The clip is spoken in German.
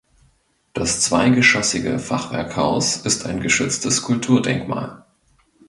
Das zweigeschossige Fachwerkhaus ist ein geschütztes Kulturdenkmal.